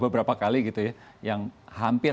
beberapa kali gitu ya yang hampir